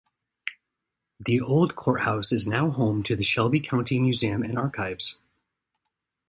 The "Old Courthouse" is now home to the Shelby County Museum and Archives.